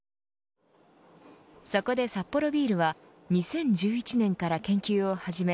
そこでサッポロビールは２０１１年から研究を始め